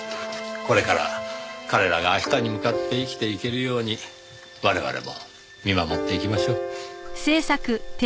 これから彼らが明日に向かって生きていけるように我々も見守っていきましょう。